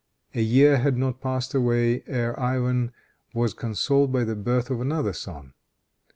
A year had not passed away, ere Ivan was consoled by the birth of another son.